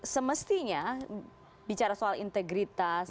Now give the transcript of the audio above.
semestinya bicara soal integritas